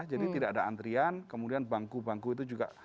jadi tidak ada antrian kemudian bangku bangku itu juga